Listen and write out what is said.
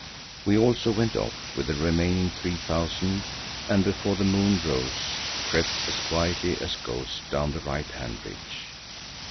We also went off with the remaining three thousand, and before the moon rose, crept as quietly as ghosts down the right hand ridge.